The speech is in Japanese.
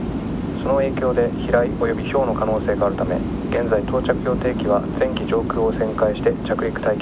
「その影響で被雷及び雹の可能性があるため現在到着予定機は全機上空を旋回して着陸待機中」